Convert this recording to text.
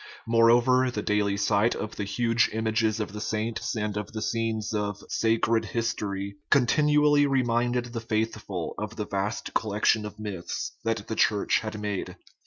Moreover, the daily sight of the huge images of the saints and of the scenes of " sacred history " con tinually reminded the faithful of the vast collection of myths that the Church had made.